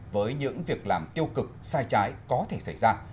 với những việc làm tiêu cực sai trái có thể xảy ra